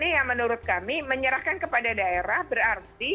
nah ini yang menurut kami menyerahkan kepada daerah berarti